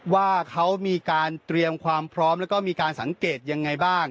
ว่าเขามีการเตรียมความพร้อมแล้วก็มีการสังเกตยังไงบ้าง